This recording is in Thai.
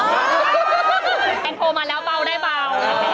แกโพลมาแล้วเป้าได้เป้า